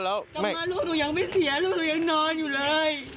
กลับมาลูกหนูยังไม่เสียลูกหนูยังนอนอยู่เลย